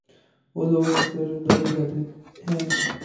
وہ لوگ اکثر بدل جاتے ہیں